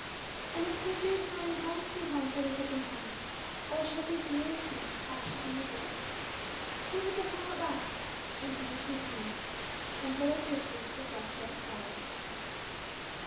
And, as Christie was playing "Home, sweet Home," for the second time, old Treffy's weary feet passed within the gates. He was at home at last, in "Home, sweet Home." And little Christie was left outside.